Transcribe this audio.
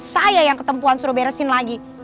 saya yang ketempuan suruh beresin lagi